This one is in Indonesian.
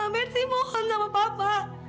mersi mohon sama papa